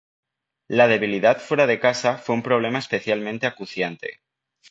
La debilidad fuera de casa fue un problema especialmente acuciante.